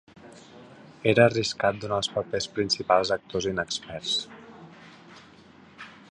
Era arriscat donar els papers principals a actors inexperts.